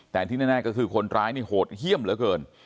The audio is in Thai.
แต่ที่แน่ก็คือคนร้ายนี่โหดเยี่ยมเหลือเกิน